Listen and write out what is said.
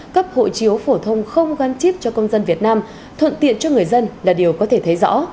cấp hộ chiếu phổ thông không gắn chip cho công dân việt nam thuận tiện cho người dân là điều có thể thấy rõ